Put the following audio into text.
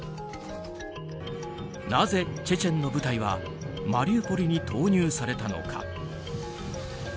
なぜチェチェンの部隊はマリウポリに投入されたのか。